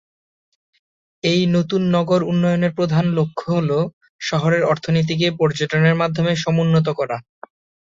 এই নতুন নগর উন্নয়নের প্রধান লক্ষ্য হল শহরের অর্থনীতিকে পর্যটনের মাধ্যমে সমুন্নত করা।